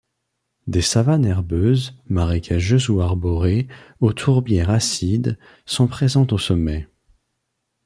Des savanes herbeuses, marécageuses ou arborées aux tourbières acides sont présentes aux sommets.